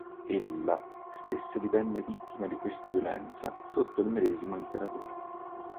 Ella stessa divenne vittima di questa violenza sotto il medesimo imperatore.